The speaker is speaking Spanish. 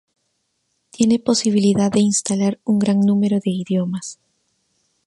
Tiene posibilidad de instalar un gran número de idiomas.